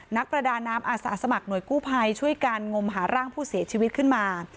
นักประดาน้ำอาสาสมัครหน่วยกู้ภัยช่วยกันงมหาร่างผู้เสียชีวิตขึ้นมา